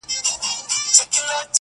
تر خپل ځان پسته لكۍ يې كړله لاندي.!